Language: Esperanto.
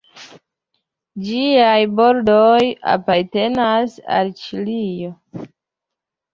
Ĝiaj bordoj apartenas al Ĉilio.